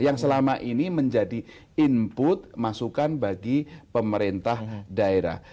yang selama ini menjadi input masukan bagi pemerintah daerah